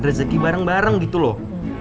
rezeki bareng bareng gitu loh